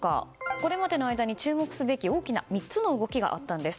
これまでの間に注目すべき大きな３つの動きがあったんです。